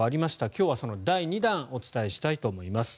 今日はその第２弾をお伝えしたいと思います。